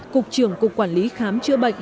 cục trưởng cục quản lý khám chữa bệnh